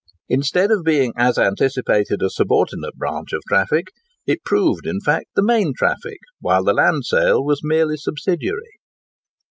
Instead of being, as anticipated, a subordinate branch of traffic, it proved, in fact, the main traffic, while the land sale was merely subsidiary.